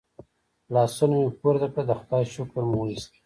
لاسونه مې پورته کړل د خدای شکر مو وایست.